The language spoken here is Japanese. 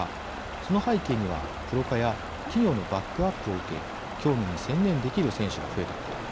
その背景にはプロ化や企業のバックアップを受け競技に専念できる選手が増えたこと。